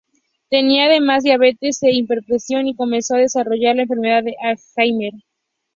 Tenía además diabetes e hipertensión, y comenzó a desarrollar la enfermedad de Alzheimer.